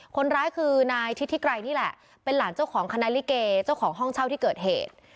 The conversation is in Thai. คนร้ายคือนายทิศทิไกรนี่แหละเป็นหลานเจ้าของคณะลิเกเจ้าของห้องเช่าที่เกิดเหตุ